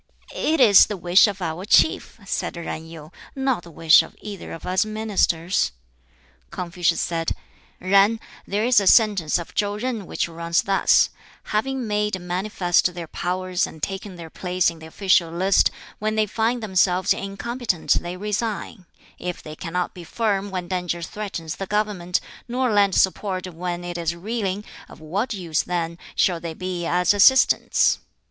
"It is the wish of our Chief," said Yen Yu, "not the wish of either of us ministers." Confucius said, "Yen, there is a sentence of ChŠu Jin which runs thus: 'Having made manifest their powers and taken their place in the official list, when they find themselves incompetent they resign; if they cannot be firm when danger threatens the government, nor lend support when it is reeling, of what use then shall they be as Assistants?'